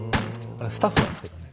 あれスタッフなんですけどね。